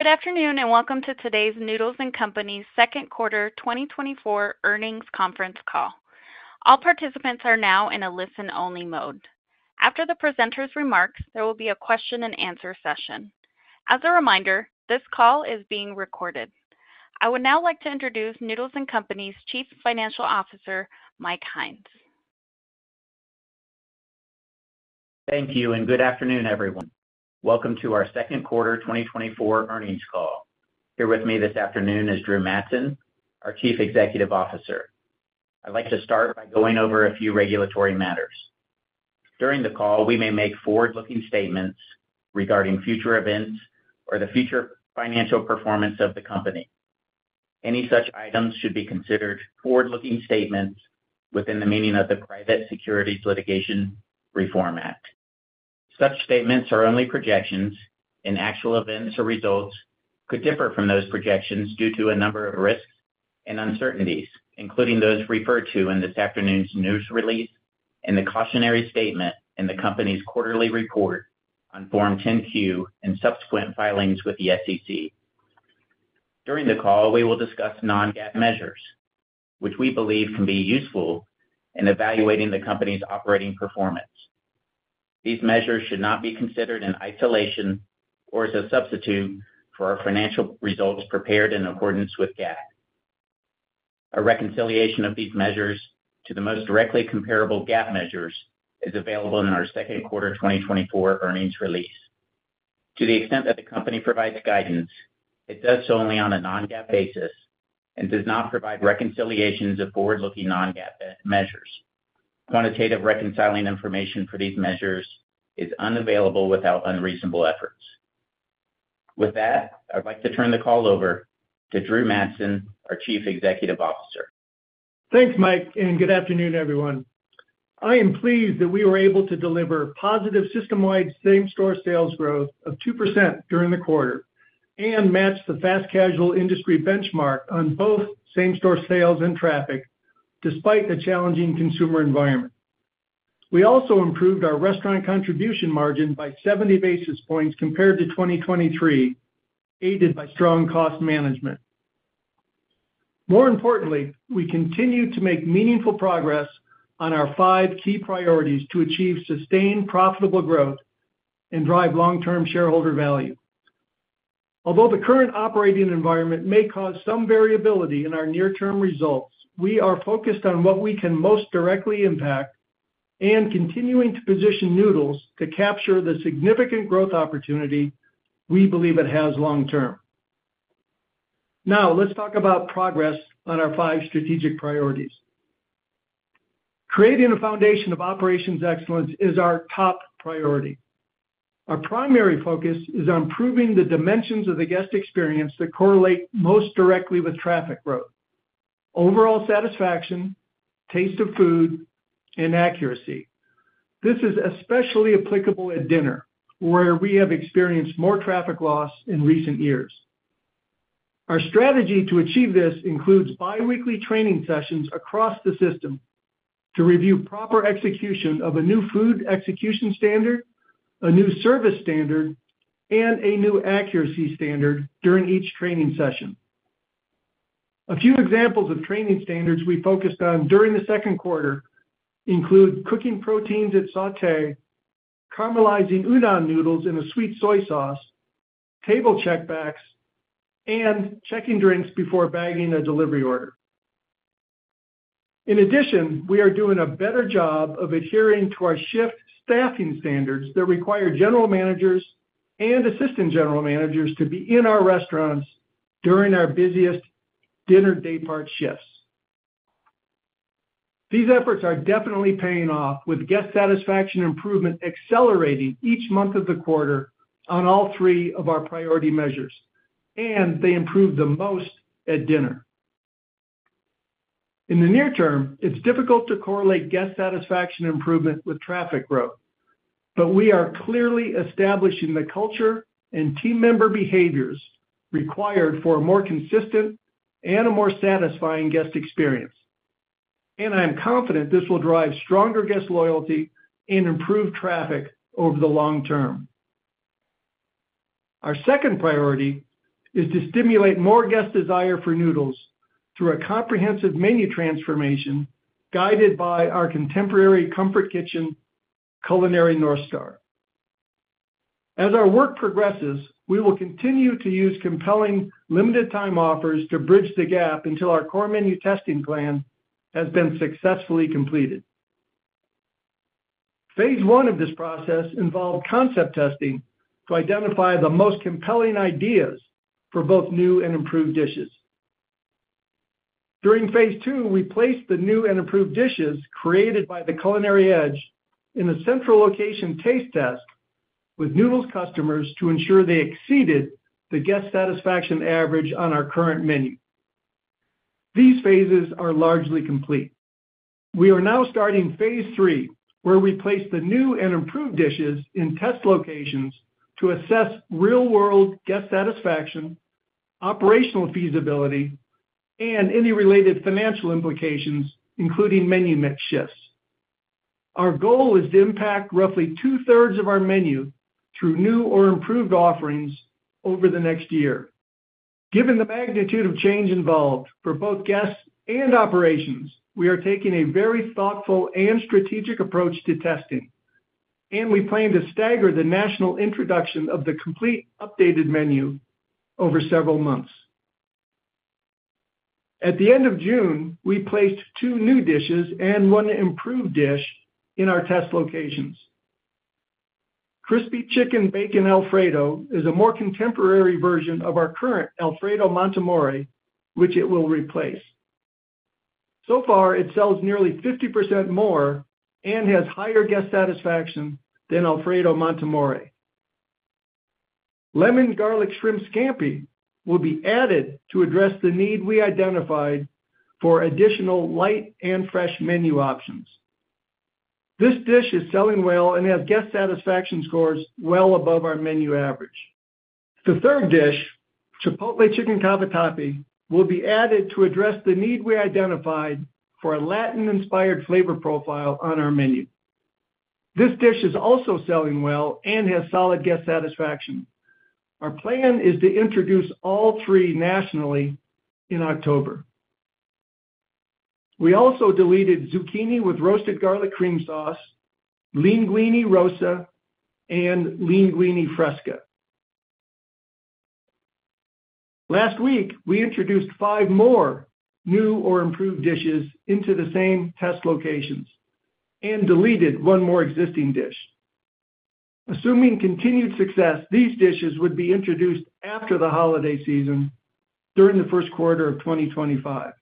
Good afternoon and welcome to today's Noodles & Company's second quarter 2024 earnings conference call. All participants are now in a listen-only mode. After the presenter's remarks, there will be a question-and-answer session. As a reminder, this call is being recorded. I would now like to introduce Noodles & Company's Chief Financial Officer, Mike Hynes. Thank you and good afternoon, everyone. Welcome to our second quarter 2024 earnings call. Here with me this afternoon is Drew Madsen, our Chief Executive Officer. I'd like to start by going over a few regulatory matters. During the call, we may make forward-looking statements regarding future events or the future financial performance of the company. Any such items should be considered forward-looking statements within the meaning of the Private Securities Litigation Reform Act. Such statements are only projections, and actual events or results could differ from those projections due to a number of risks and uncertainties, including those referred to in this afternoon's news release and the cautionary statement in the company's quarterly report on Form 10-Q and subsequent filings with the SEC. During the call, we will discuss non-GAAP measures, which we believe can be useful in evaluating the company's operating performance. These measures should not be considered in isolation or as a substitute for our financial results prepared in accordance with GAAP. A reconciliation of these measures to the most directly comparable GAAP measures is available in our second quarter 2024 earnings release. To the extent that the company provides guidance, it does so only on a non-GAAP basis and does not provide reconciliations of forward-looking non-GAAP measures. Quantitative reconciling information for these measures is unavailable without unreasonable efforts. With that, I'd like to turn the call over to Drew Madsen, our Chief Executive Officer. Thanks, Mike, and good afternoon, everyone. I am pleased that we were able to deliver positive system-wide same-store sales growth of 2% during the quarter and match the fast-casual industry benchmark on both same-store sales and traffic, despite the challenging consumer environment. We also improved our restaurant contribution margin by 70 basis points compared to 2023, aided by strong cost management. More importantly, we continue to make meaningful progress on our five key priorities to achieve sustained profitable growth and drive long-term shareholder value. Although the current operating environment may cause some variability in our near-term results, we are focused on what we can most directly impact and continuing to position Noodles to capture the significant growth opportunity we believe it has long-term. Now, let's talk about progress on our five strategic priorities. Creating a foundation of operations excellence is our top priority. Our primary focus is on proving the dimensions of the guest experience that correlate most directly with traffic growth: overall satisfaction, taste of food, and accuracy. This is especially applicable at dinner, where we have experienced more traffic loss in recent years. Our strategy to achieve this includes biweekly training sessions across the system to review proper execution of a new food execution standard, a new service standard, and a new accuracy standard during each training session. A few examples of training standards we focused on during the second quarter include cooking proteins at sauté, caramelizing udon noodles in a sweet soy sauce, table checkbacks, and checking drinks before bagging a delivery order. In addition, we are doing a better job of adhering to our shift staffing standards that require general managers and assistant general managers to be in our restaurants during our busiest dinner day-part shifts. These efforts are definitely paying off, with guest satisfaction improvement accelerating each month of the quarter on all three of our priority measures, and they improve the most at dinner. In the near term, it's difficult to correlate guest satisfaction improvement with traffic growth, but we are clearly establishing the culture and team member behaviors required for a more consistent and a more satisfying guest experience, and I'm confident this will drive stronger guest loyalty and improved traffic over the long term. Our second priority is to stimulate more guest desire for noodles through a comprehensive menu transformation guided by our Contemporary Comfort Kitchen culinary North Star. As our work progresses, we will continue to use compelling limited-time offers to bridge the gap until our core menu testing plan has been successfully completed. Phase one of this process involved concept testing to identify the most compelling ideas for both new and improved dishes. During phase two, we placed the new and improved dishes created by The Culinary Edge in a central location taste test with Noodles customers to ensure they exceeded the guest satisfaction average on our current menu. These phases are largely complete. We are now starting phase three, where we place the new and improved dishes in test locations to assess real-world guest satisfaction, operational feasibility, and any related financial implications, including menu mix shifts. Our goal is to impact roughly two-thirds of our menu through new or improved offerings over the next year. Given the magnitude of change involved for both guests and operations, we are taking a very thoughtful and strategic approach to testing, and we plan to stagger the national introduction of the complete updated menu over several months. At the end of June, we placed two new dishes and one improved dish in our test locations. Crispy Chicken Bacon Alfredo is a more contemporary version of our current Alfredo MontAmore, which it will replace. So far, it sells nearly 50% more and has higher guest satisfaction than Alfredo MontAmore. Lemon Garlic Shrimp Scampi will be added to address the need we identified for additional light and fresh menu options. This dish is selling well and has guest satisfaction scores well above our menu average. The third dish, Chipotle Chicken Cavatappi, will be added to address the need we identified for a Latin-inspired flavor profile on our menu. This dish is also selling well and has solid guest satisfaction. Our plan is to introduce all three nationally in October. We also deleted Zucchini with Roasted Garlic Cream Sauce, Leanguini Rosa, and Leanguini Fresca. Last week, we introduced five more new or improved dishes into the same test locations and deleted one more existing dish. Assuming continued success, these dishes would be introduced after the holiday season during the first quarter of 2025.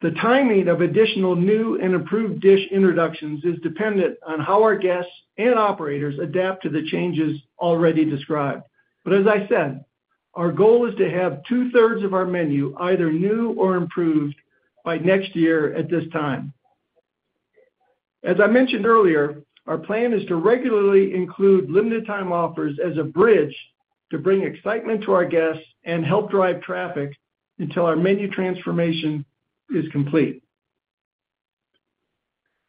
The timing of additional new and improved dish introductions is dependent on how our guests and operators adapt to the changes already described. But as I said, our goal is to have two-thirds of our menu either new or improved by next year at this time. As I mentioned earlier, our plan is to regularly include limited-time offers as a bridge to bring excitement to our guests and help drive traffic until our menu transformation is complete.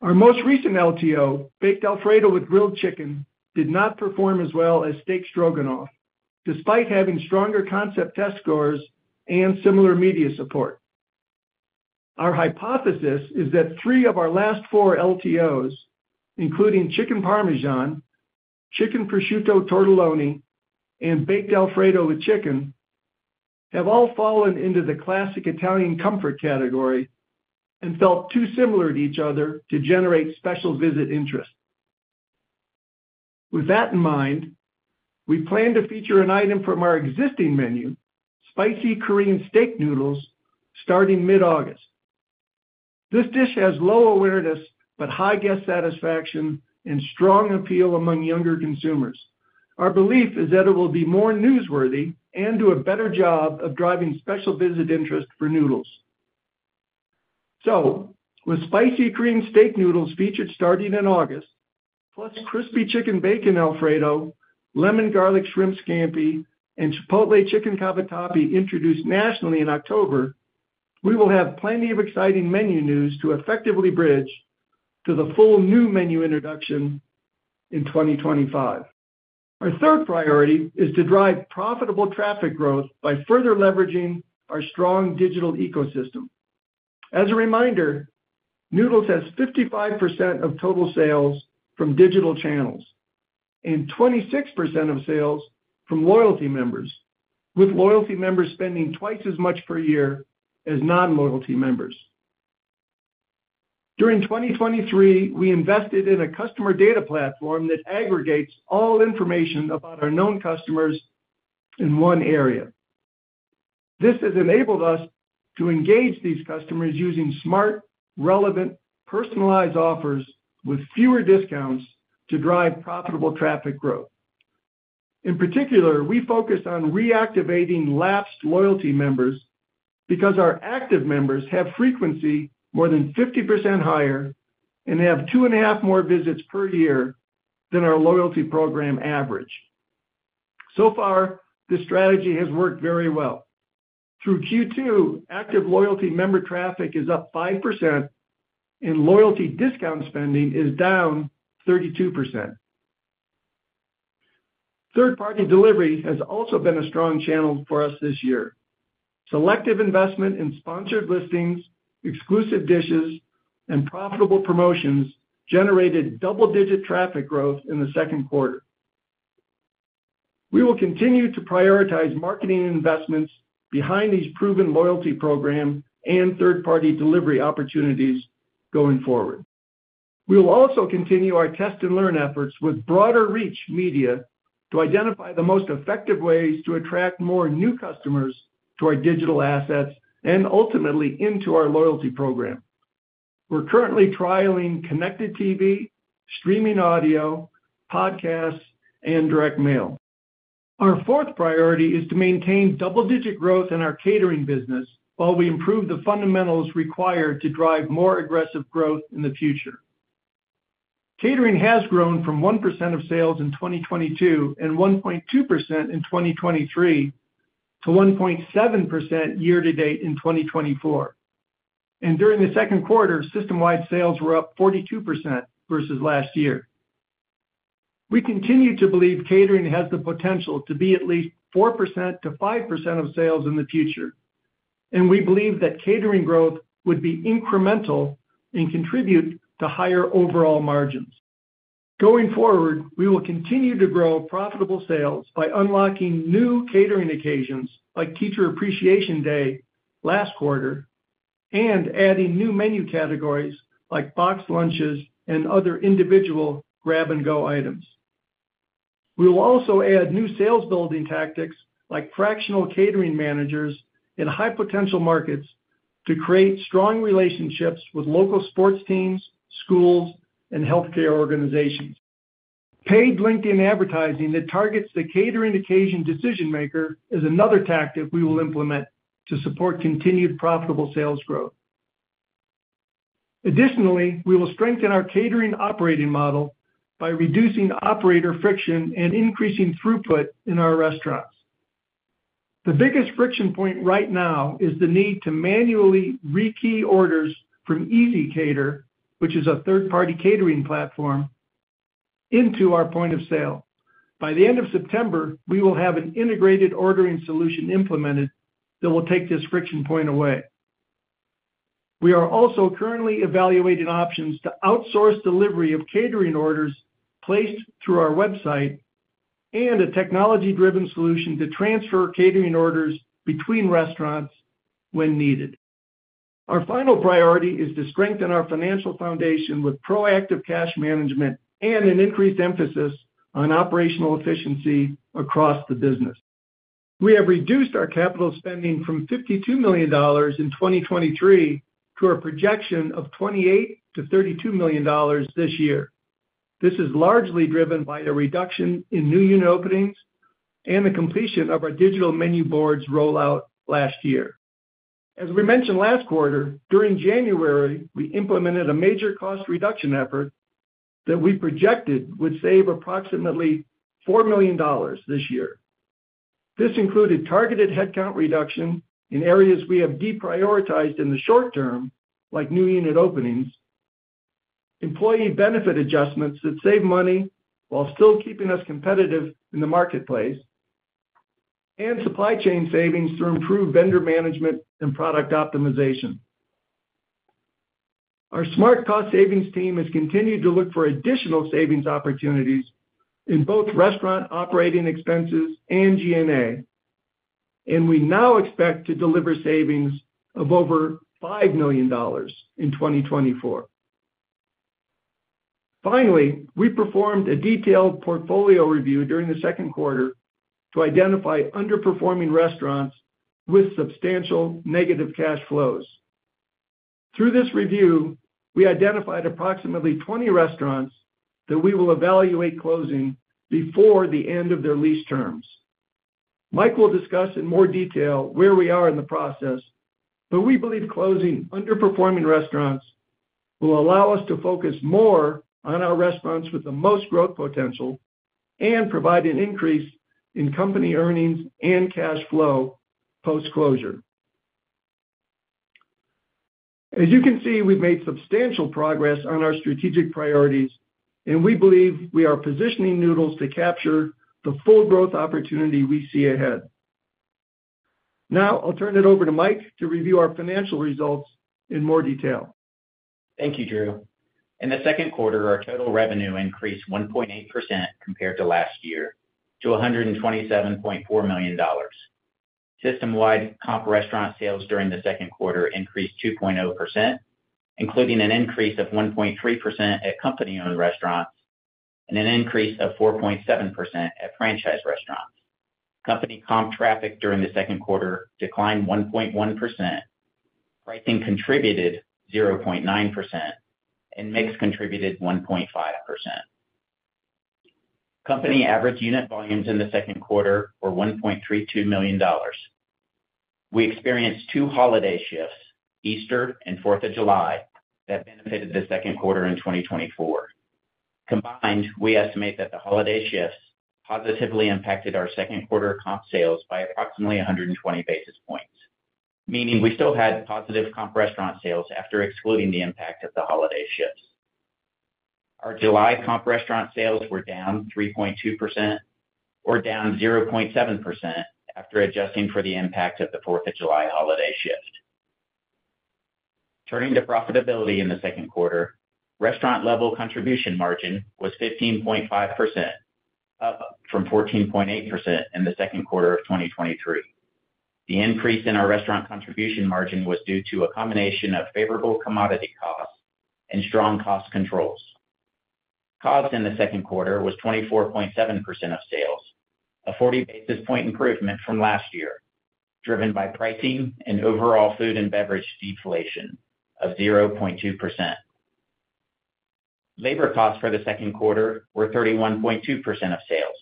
Our most recent LTO, Baked Alfredo with Grilled Chicken, did not perform as well as Steak Stroganoff, despite having stronger concept test scores and similar media support. Our hypothesis is that three of our last four LTOs, including Chicken Parmesan, Chicken Prosciutto Tortelloni, and Baked Alfredo with Chicken, have all fallen into the classic Italian comfort category and felt too similar to each other to generate special visit interest. With that in mind, we plan to feature an item from our existing menu, Spicy Korean Steak Noodles, starting mid-August. This dish has low awareness but high guest satisfaction and strong appeal among younger consumers. Our belief is that it will be more newsworthy and do a better job of driving special visit interest for Noodles. So, with Spicy Korean Steak Noodles featured starting in August, plus Crispy Chicken Bacon Alfredo, Lemon Garlic Shrimp Scampi, and Chipotle Chicken Cavatappi introduced nationally in October, we will have plenty of exciting menu news to effectively bridge to the full new menu introduction in 2025. Our third priority is to drive profitable traffic growth by further leveraging our strong digital ecosystem. As a reminder, Noodles has 55% of total sales from digital channels and 26% of sales from loyalty members, with loyalty members spending twice as much per year as non-loyalty members. During 2023, we invested in a customer data platform that aggregates all information about our known customers in one area. This has enabled us to engage these customers using smart, relevant, personalized offers with fewer discounts to drive profitable traffic growth. In particular, we focused on reactivating lapsed loyalty members because our active members have frequency more than 50% higher and have 2.5 more visits per year than our loyalty program average. So far, this strategy has worked very well. Through Q2, active loyalty member traffic is up 5%, and loyalty discount spending is down 32%. Third-party delivery has also been a strong channel for us this year. Selective investment in sponsored listings, exclusive dishes, and profitable promotions generated double-digit traffic growth in the second quarter. We will continue to prioritize marketing investments behind these proven loyalty programs and third-party delivery opportunities going forward. We will also continue our test-and-learn efforts with broader reach media to identify the most effective ways to attract more new customers to our digital assets and ultimately into our loyalty program. We're currently trialing connected TV, streaming audio, podcasts, and direct mail. Our fourth priority is to maintain double-digit growth in our catering business while we improve the fundamentals required to drive more aggressive growth in the future. Catering has grown from 1% of sales in 2022 and 1.2% in 2023 to 1.7% year-to-date in 2024. During the second quarter, system-wide sales were up 42% versus last year. We continue to believe catering has the potential to be at least 4%-5% of sales in the future, and we believe that catering growth would be incremental and contribute to higher overall margins. Going forward, we will continue to grow profitable sales by unlocking new catering occasions like Teacher Appreciation Day last quarter and adding new menu categories like box lunches and other individual grab-and-go items. We will also add new sales-building tactics like fractional catering managers in high-potential markets to create strong relationships with local sports teams, schools, and healthcare organizations. Paid LinkedIn advertising that targets the catering occasion decision-maker is another tactic we will implement to support continued profitable sales growth. Additionally, we will strengthen our catering operating model by reducing operator friction and increasing throughput in our restaurants. The biggest friction point right now is the need to manually re-key orders from ezCater, which is a third-party catering platform, into our point of sale. By the end of September, we will have an integrated ordering solution implemented that will take this friction point away. We are also currently evaluating options to outsource delivery of catering orders placed through our website and a technology-driven solution to transfer catering orders between restaurants when needed. Our final priority is to strengthen our financial foundation with proactive cash management and an increased emphasis on operational efficiency across the business. We have reduced our capital spending from $52 million in 2023 to a projection of $28 million-$32 million this year. This is largely driven by a reduction in new unit openings and the completion of our digital menu boards rollout last year. As we mentioned last quarter, during January, we implemented a major cost reduction effort that we projected would save approximately $4 million this year. This included targeted headcount reduction in areas we have deprioritized in the short term, like new unit openings, employee benefit adjustments that save money while still keeping us competitive in the marketplace, and supply chain savings through improved vendor management and product optimization. Our smart cost savings team has continued to look for additional savings opportunities in both restaurant operating expenses and G&A, and we now expect to deliver savings of over $5 million in 2024. Finally, we performed a detailed portfolio review during the second quarter to identify underperforming restaurants with substantial negative cash flows. Through this review, we identified approximately 20 restaurants that we will evaluate closing before the end of their lease terms. Mike will discuss in more detail where we are in the process, but we believe closing underperforming restaurants will allow us to focus more on our restaurants with the most growth potential and provide an increase in company earnings and cash flow post-closure. As you can see, we've made substantial progress on our strategic priorities, and we believe we are positioning Noodles to capture the full growth opportunity we see ahead. Now, I'll turn it over to Mike to review our financial results in more detail. Thank you, Drew. In the second quarter, our total revenue increased 1.8% compared to last year to $127.4 million. System-wide comp restaurant sales during the second quarter increased 2.0%, including an increase of 1.3% at company-owned restaurants and an increase of 4.7% at franchise restaurants. Company comp traffic during the second quarter declined 1.1%. Pricing contributed 0.9%, and mix contributed 1.5%. Company average unit volumes in the second quarter were $1.32 million. We experienced two holiday shifts, Easter and 4th of July, that benefited the second quarter in 2024. Combined, we estimate that the holiday shifts positively impacted our second quarter comp sales by approximately 120 basis points, meaning we still had positive comp restaurant sales after excluding the impact of the holiday shifts. Our July comp restaurant sales were down 3.2%, or down 0.7% after adjusting for the impact of the 4th of July holiday shift. Turning to profitability in the second quarter, restaurant-level contribution margin was 15.5%, up from 14.8% in the second quarter of 2023. The increase in our restaurant contribution margin was due to a combination of favorable commodity costs and strong cost controls. Costs in the second quarter was 24.7% of sales, a 40 basis point improvement from last year, driven by pricing and overall food and beverage deflation of 0.2%. Labor costs for the second quarter were 31.2% of sales,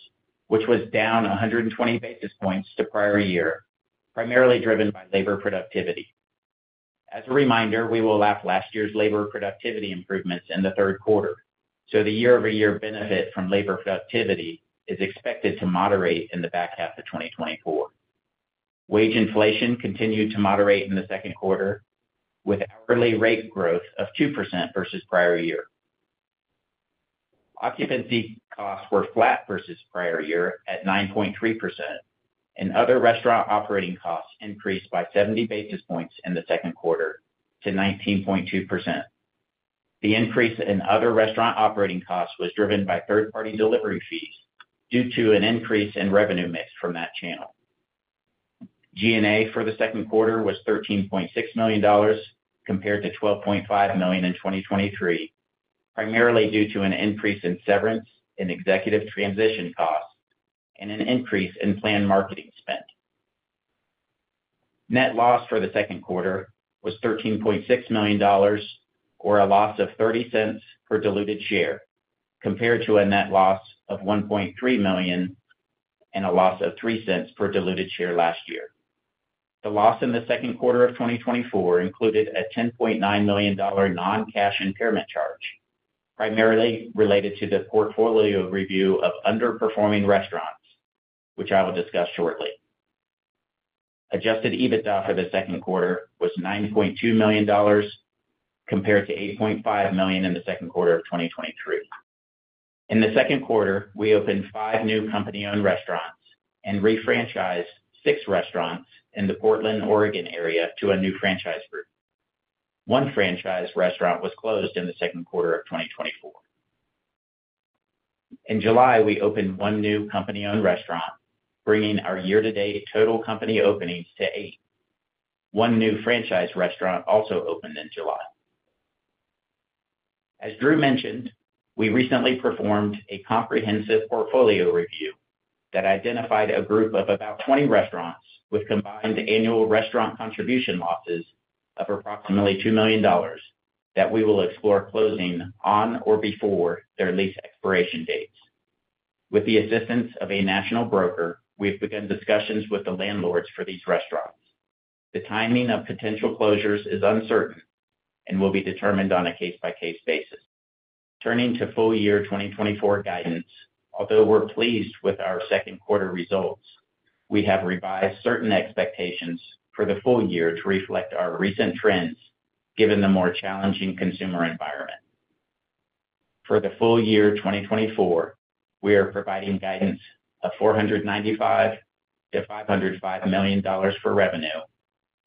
which was down 120 basis points to prior year, primarily driven by labor productivity. As a reminder, we will lap last year's labor productivity improvements in the third quarter, so the year-over-year benefit from labor productivity is expected to moderate in the back half of 2024. Wage inflation continued to moderate in the second quarter, with hourly rate growth of 2% versus prior year. Occupancy costs were flat versus prior year at 9.3%, and other restaurant operating costs increased by 70 basis points in the second quarter to 19.2%. The increase in other restaurant operating costs was driven by third-party delivery fees due to an increase in revenue mix from that channel. G&A for the second quarter was $13.6 million compared to $12.5 million in 2023, primarily due to an increase in severance and executive transition costs and an increase in planned marketing spend. Net loss for the second quarter was $13.6 million, or a loss of $0.30 per diluted share, compared to a net loss of $1.3 million and a loss of $0.03 per diluted share last year. The loss in the second quarter of 2024 included a $10.9 million non-cash impairment charge, primarily related to the portfolio review of underperforming restaurants, which I will discuss shortly. Adjusted EBITDA for the second quarter was $9.2 million compared to $8.5 million in the second quarter of 2023. In the second quarter, we opened five new company-owned restaurants and refranchised six restaurants in the Portland, Oregon area to a new franchise group. One franchise restaurant was closed in the second quarter of 2024. In July, we opened one new company-owned restaurant, bringing our year-to-date total company openings to eight. One new franchise restaurant also opened in July. As Drew mentioned, we recently performed a comprehensive portfolio review that identified a group of about 20 restaurants with combined annual restaurant contribution losses of approximately $2 million that we will explore closing on or before their lease expiration dates. With the assistance of a national broker, we've begun discussions with the landlords for these restaurants. The timing of potential closures is uncertain and will be determined on a case-by-case basis. Turning to full-year 2024 guidance, although we're pleased with our second quarter results, we have revised certain expectations for the full year to reflect our recent trends given the more challenging consumer environment. For the full year 2024, we are providing guidance of $495 million-$505 million for revenue,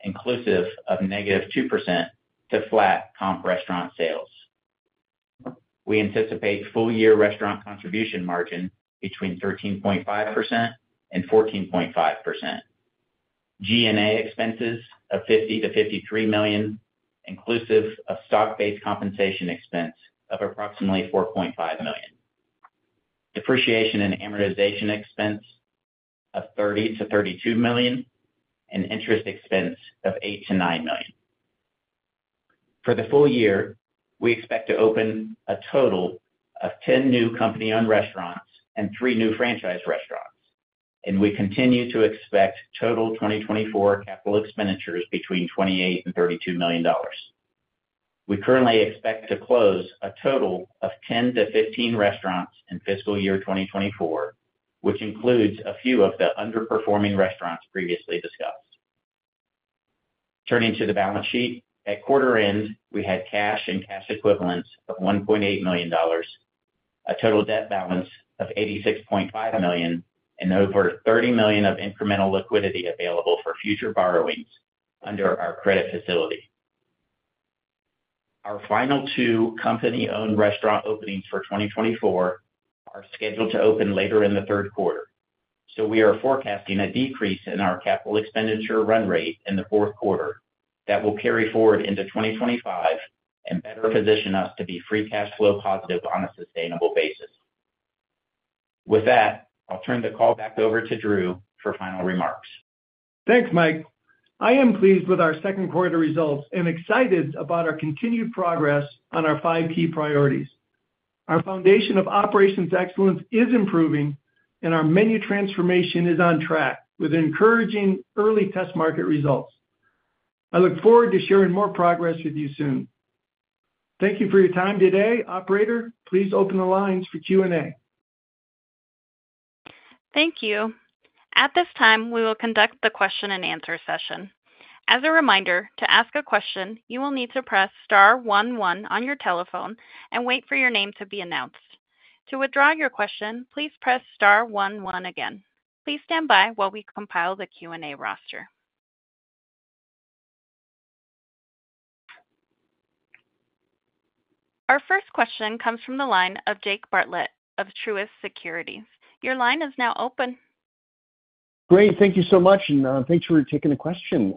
inclusive of -2% to flat comp restaurant sales. We anticipate full-year restaurant contribution margin between 13.5% and 14.5%, G&A expenses of $50 million-$53 million, inclusive of stock-based compensation expense of approximately $4.5 million, depreciation and amortization expense of $30 million-$32 million, and interest expense of $8 million-$9 million. For the full year, we expect to open a total of 10 new company-owned restaurants and three new franchise restaurants, and we continue to expect total 2024 capital expenditures between $28 and $32 million. We currently expect to close a total of 10 to 15 restaurants in fiscal year 2024, which includes a few of the underperforming restaurants previously discussed. Turning to the balance sheet, at quarter end, we had cash and cash equivalents of $1.8 million, a total debt balance of $86.5 million, and over $30 million of incremental liquidity available for future borrowings under our credit facility. Our final two company-owned restaurant openings for 2024 are scheduled to open later in the third quarter, so we are forecasting a decrease in our capital expenditure run rate in the fourth quarter that will carry forward into 2025 and better position us to be free cash flow positive on a sustainable basis. With that, I'll turn the call back over to Drew for final remarks. Thanks, Mike. I am pleased with our second quarter results and excited about our continued progress on our five key priorities. Our foundation of operations excellence is improving, and our menu transformation is on track with encouraging early test market results. I look forward to sharing more progress with you soon. Thank you for your time today, operator. Please open the lines for Q&A. Thank you. At this time, we will conduct the question-and-answer session. As a reminder, to ask a question, you will need to press star one one on your telephone and wait for your name to be announced. To withdraw your question, please press star one one again. Please stand by while we compile the Q&A roster. Our first question comes from the line of Jake Bartlett of Truist Securities. Your line is now open. Great. Thank you so much, and thanks for taking the question.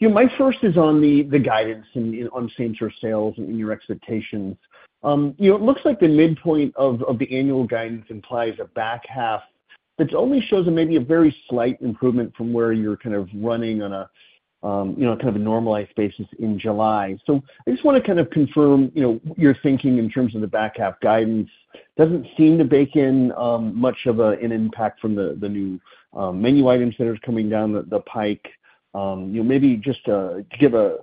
Mike first is on the guidance on same-store sales and your expectations. It looks like the midpoint of the annual guidance implies a back half that only shows maybe a very slight improvement from where you're kind of running on a kind of normalized basis in July. So I just want to kind of confirm your thinking in terms of the back half guidance. Doesn't seem to bake in much of an impact from the new menu items that are coming down the pike. Maybe just to give a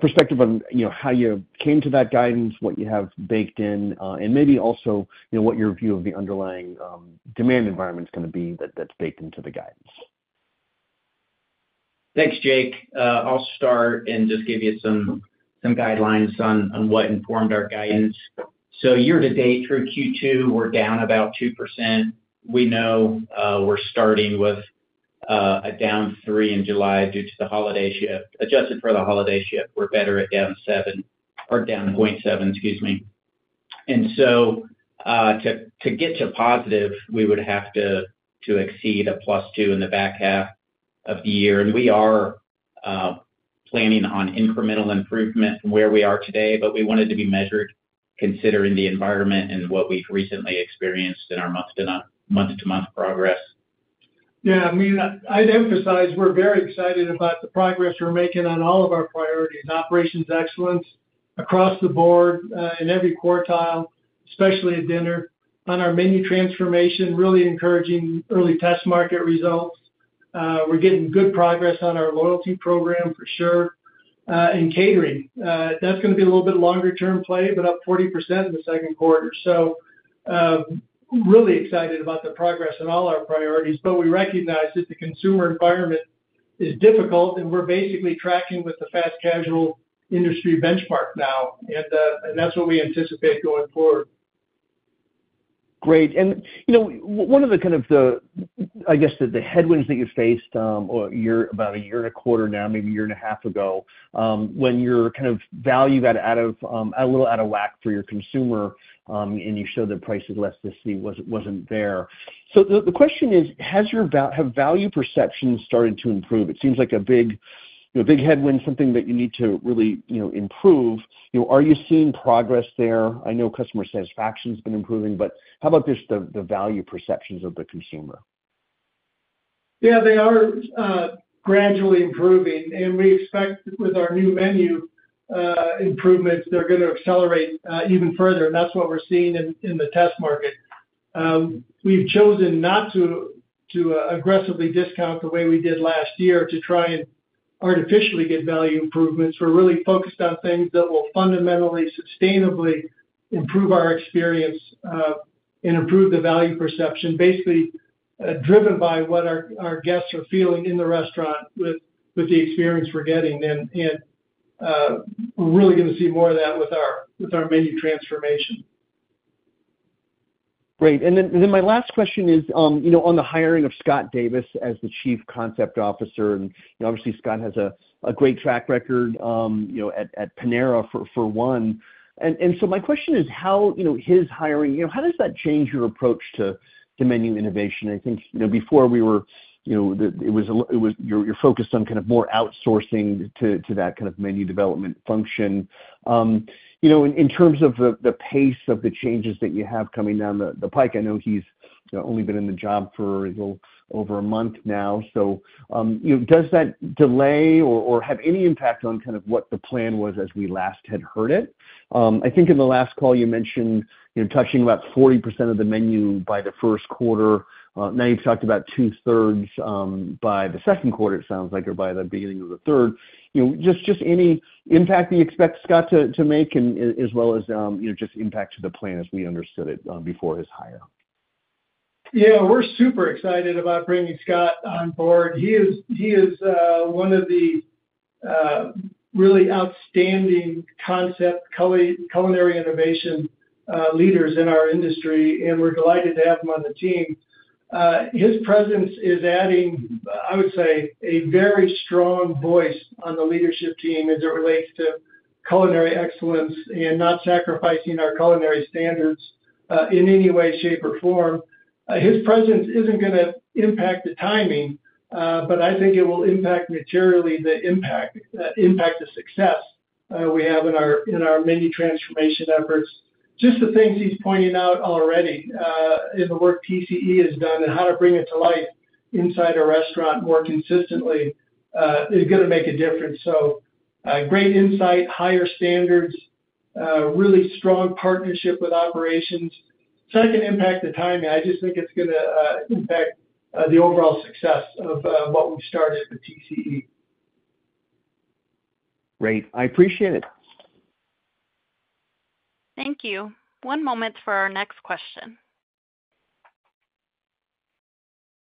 perspective on how you came to that guidance, what you have baked in, and maybe also what your view of the underlying demand environment is going to be that's baked into the guidance. Thanks, Jake. I'll start and just give you some guidelines on what informed our guidance. So year-to-date, through Q2, we're down about 2%. We know we're starting with a down 3% in July due to the holiday shift. Adjusted for the holiday shift, we're better at down 7% or down 0.7%, excuse me. So to get to positive, we would have to exceed +2% in the back half of the year. We are planning on incremental improvement from where we are today, but we want it to be measured considering the environment and what we've recently experienced in our month-to-month progress. Yeah. I mean, I'd emphasize we're very excited about the progress we're making on all of our priorities: operations excellence across the board in every quartile, especially at dinner. On our menu transformation, really encouraging early test market results. We're getting good progress on our loyalty program, for sure. And catering, that's going to be a little bit longer-term play, but up 40% in the second quarter. Really excited about the progress on all our priorities, but we recognize that the consumer environment is difficult, and we're basically tracking with the fast casual industry benchmark now, and that's what we anticipate going forward. Great. One of the kind of, I guess, the headwinds that you faced about a year and a quarter now, maybe a year and a half ago, when your kind of value got a little out of whack for your consumer and you showed that price was less than C, wasn't there. The question is, have value perceptions started to improve? It seems like a big headwind, something that you need to really improve. Are you seeing progress there? I know customer satisfaction has been improving, but how about just the value perceptions of the consumer? Yeah, they are gradually improving, and we expect with our new menu improvements, they're going to accelerate even further, and that's what we're seeing in the test market. We've chosen not to aggressively discount the way we did last year to try and artificially get value improvements. We're really focused on things that will fundamentally, sustainably improve our experience and improve the value perception, basically driven by what our guests are feeling in the restaurant with the experience we're getting. And we're really going to see more of that with our menu transformation. Great. And then my last question is on the hiring of Scott Davis as the Chief Concept Officer. And obviously, Scott has a great track record at Panera, for one. And so my question is, how his hiring, how does that change your approach to menu innovation? I think before we were, it was you're focused on kind of more outsourcing to that kind of menu development function. In terms of the pace of the changes that you have coming down the pike, I know he's only been in the job for a little over a month now. So does that delay or have any impact on kind of what the plan was as we last had heard it? I think in the last call, you mentioned touching about 40% of the menu by the first quarter. Now you've talked about two-thirds by the second quarter, it sounds like, or by the beginning of the third. Just any impact you expect Scott to make, as well as just impact to the plan as we understood it before his hire? Yeah, we're super excited about bringing Scott on board. He is one of the really outstanding concept culinary innovation leaders in our industry, and we're delighted to have him on the team. His presence is adding, I would say, a very strong voice on the leadership team as it relates to culinary excellence and not sacrificing our culinary standards in any way, shape, or form. His presence isn't going to impact the timing, but I think it will impact materially the impact of success we have in our menu transformation efforts. Just the things he's pointing out already in the work TCE has done and how to bring it to life inside a restaurant more consistently is going to make a difference. So great insight, higher standards, really strong partnership with operations. So that can impact the timing. I just think it's going to impact the overall success of what we've started at TCE. Great. I appreciate it. Thank you. One moment for our next question.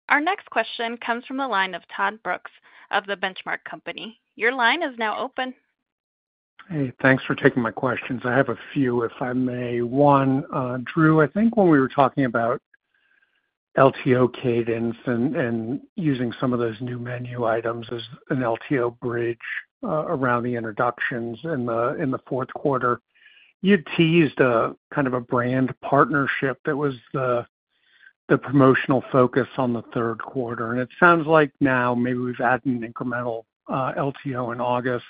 Our next question comes from the line of Todd Brooks of The Benchmark Company. Your line is now open. Hey, thanks for taking my questions. I have a few, if I may. One, Drew, I think when we were talking about LTO cadence and using some of those new menu items as an LTO bridge around the introductions in the fourth quarter, you'd teased kind of a brand partnership that was the promotional focus on the third quarter. And it sounds like now maybe we've added an incremental LTO in August.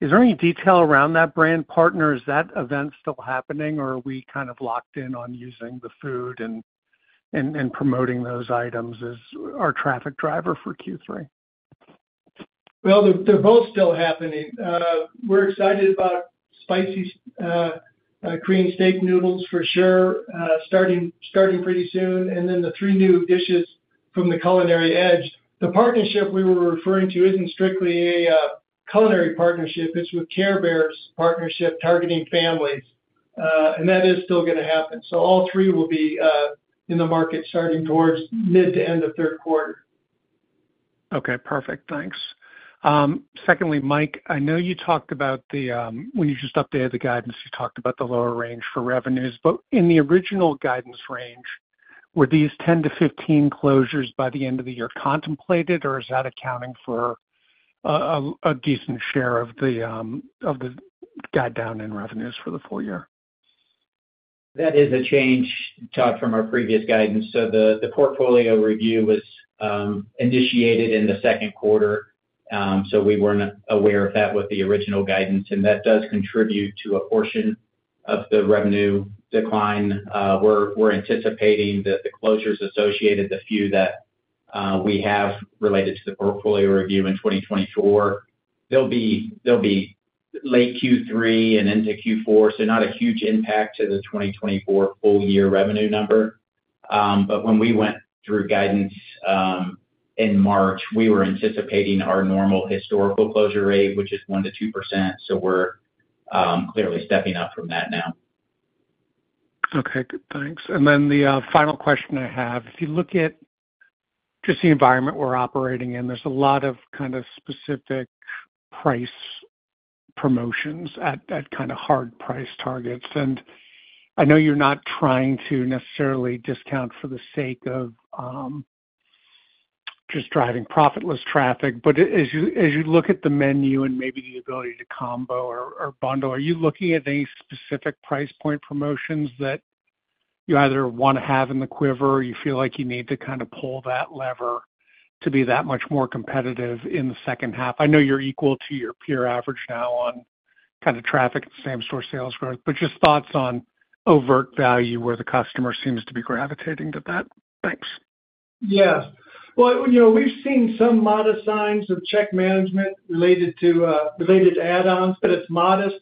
Is there any detail around that brand partner? Is that event still happening, or are we kind of locked in on using the food and promoting those items as our traffic driver for Q3? Well, they're both still happening. We're excited about Spicy Korean Steak Noodles, for sure, starting pretty soon, and then the three new dishes from The Culinary Edge. The partnership we were referring to isn't strictly a culinary partnership. It's with Care Bears partnership targeting families. And that is still going to happen. So all three will be in the market starting towards mid to end of third quarter. Okay. Perfect. Thanks. Secondly, Mike, I know you talked about when you just updated the guidance, you talked about the lower range for revenues. But in the original guidance range, were these 10-15 closures by the end of the year contemplated, or is that accounting for a decent share of the guide down in revenues for the full year? That is a change, Todd, from our previous guidance. So the portfolio review was initiated in the second quarter, so we weren't aware of that with the original guidance. And that does contribute to a portion of the revenue decline. We're anticipating that the closures associated, the few that we have related to the portfolio review in 2024, they'll be late Q3 and into Q4, so not a huge impact to the 2024 full-year revenue number. But when we went through guidance in March, we were anticipating our normal historical closure rate, which is 1%-2%. So we're clearly stepping up from that now. Okay. Thanks. And then the final question I have, if you look at just the environment we're operating in, there's a lot of kind of specific price promotions at kind of hard price targets. I know you're not trying to necessarily discount for the sake of just driving profitless traffic, but as you look at the menu and maybe the ability to combo or bundle, are you looking at any specific price point promotions that you either want to have in the quiver or you feel like you need to kind of pull that lever to be that much more competitive in the second half? I know you're equal to your peer average now on kind of traffic and same-store sales growth, but just thoughts on overt value where the customer seems to be gravitating to that? Thanks. Yeah. Well, we've seen some modest signs of check management related to add-ons, but it's modest.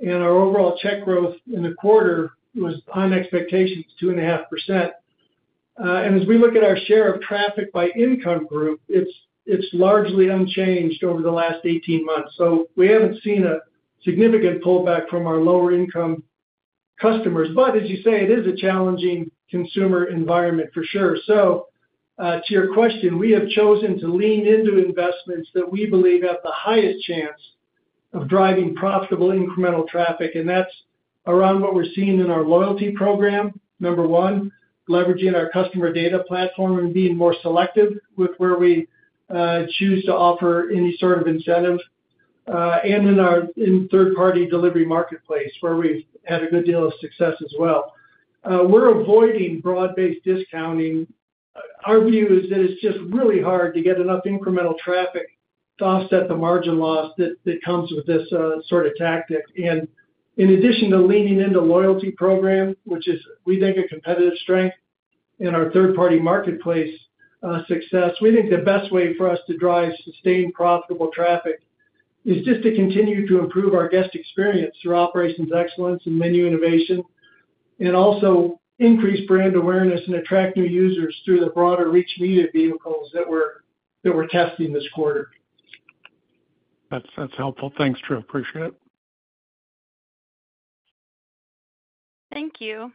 And our overall check growth in the quarter was on expectations, 2.5%. And as we look at our share of traffic by income group, it's largely unchanged over the last 18 months. So we haven't seen a significant pullback from our lower-income customers. But as you say, it is a challenging consumer environment, for sure. So to your question, we have chosen to lean into investments that we believe have the highest chance of driving profitable incremental traffic. And that's around what we're seeing in our loyalty program, number one, leveraging our customer data platform and being more selective with where we choose to offer any sort of incentive. And in our third-party delivery marketplace, where we've had a good deal of success as well. We're avoiding broad-based discounting. Our view is that it's just really hard to get enough incremental traffic to offset the margin loss that comes with this sort of tactic. In addition to leaning into the loyalty program, which we think is a competitive strength in our third-party marketplace success, we think the best way for us to drive sustained profitable traffic is just to continue to improve our guest experience through operations excellence and menu innovation, and also increase brand awareness and attract new users through the broader reach media vehicles that we're testing this quarter. That's helpful. Thanks, Drew. Appreciate it. Thank you.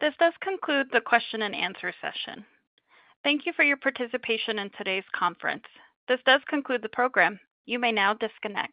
This does conclude the question-and-answer session. Thank you for your participation in today's conference. This does conclude the program. You may now disconnect.